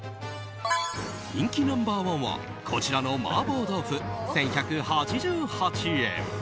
人気ナンバー１はこちらの麻婆豆腐、１１８８円。